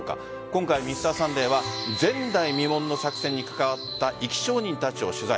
今回「Ｍｒ．サンデー」は前代未聞の作戦に関わった生き証人たちを取材。